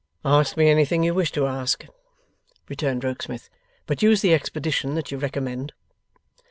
'Ask me anything you wish to ask,' returned Rokesmith, 'but use the expedition that you recommend.